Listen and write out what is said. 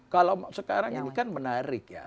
kalau sekarang ini kan menarik ya